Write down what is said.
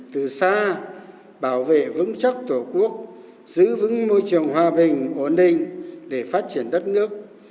từ xa bảo vệ vững chắc tổ quốc giữ vững môi trường hòa bình ổn định để phát triển đất nước